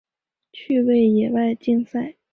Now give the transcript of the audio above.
趣味野外竞赛。